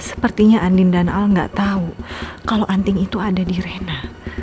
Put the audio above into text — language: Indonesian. sepertinya andin dan al nggak tahu kalau anting itu ada di rena